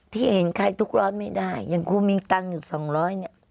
ที่เห็นใครทุกร้อยไม่ได้อย่างครูมีตังค์อยู่สองร้อยเนี่ย